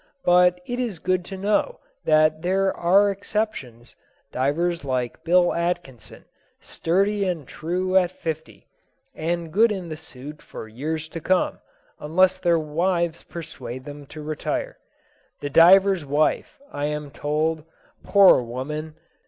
But it is good to know that there are exceptions divers like Bill Atkinson, sturdy and true at fifty, and good in the suit for years to come, unless their wives persuade them to retire. The diver's wife, I am told poor woman!